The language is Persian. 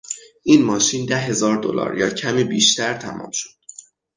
این ماشین ده هزار دلار یا کمی بیشتر تمام شد.